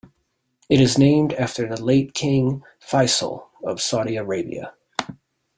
It is named after the late King Faisal of Saudi Arabia.